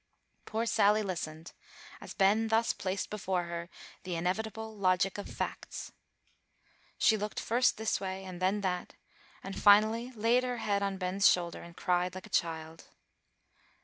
Poor Sally listened, as Ben thus placed before her the "inevitable logic of facts." She looked first this way, and then that, and finally laid her head on Ben's shoulder, and cried like a child.